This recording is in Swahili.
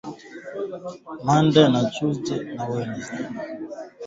viazi lishe vikikaa shamaban kwa mda meru hushambuliwa na fukuzi